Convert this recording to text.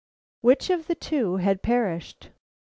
Which of the two had perished?